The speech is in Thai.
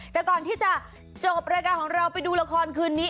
แต่ก่อนที่จะจบรายการของเราไปดูละครคืนนี้